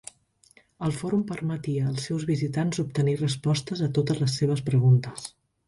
El fòrum permetia els seus visitants obtenir respostes a totes les seves preguntes.